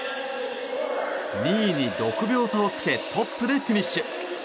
２位に６秒差をつけトップでフィニッシュ。